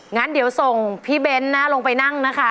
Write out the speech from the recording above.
งั้นเดี๋ยวส่งพี่เบ้นนะลงไปนั่งนะคะ